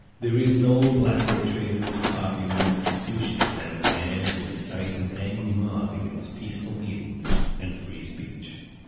There is no blacker traitor to popular institutions than the man who incites an angry mob against peaceful meetings and free speech.